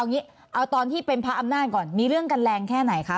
เอาตอนที่เป็นพระอำนาจก่อนมีเรื่องกันแรงแค่ไหนคะ